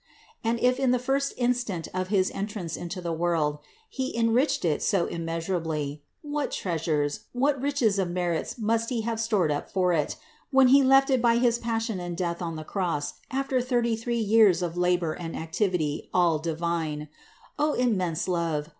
And if in the first instant of his entrance into the world He enriched it so immeasur ably, what treasures, what riches of merits must He have stored up for it, when He left it by his Passion and Death on the cross after thirty three years of labor and activity all divine! O immense love!